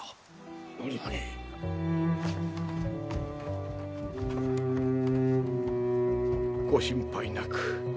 何？ご心配なく。